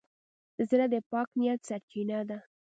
زړه د پاک نیت سرچینه ده.